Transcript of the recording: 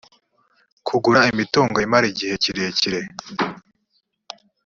kugura imitungo imara igihe kirekire